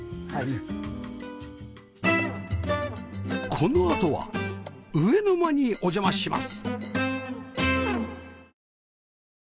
このあとは「上の間」にお邪魔します